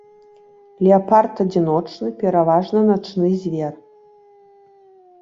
Леапард адзіночны, пераважна начны звер.